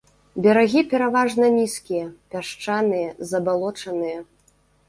Берагі пераважна нізкія, пясчаныя, забалочаныя.